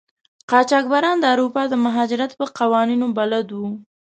قاچاقبران د اروپا د مهاجرت په قوانینو بلد وو.